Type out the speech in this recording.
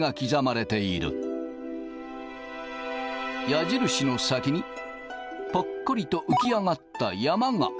矢印の先にぽっこりと浮き上がった山が。